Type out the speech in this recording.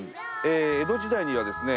江戸時代にはですね